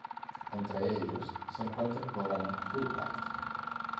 Entre ellos, se encuentra el programa Fulbright.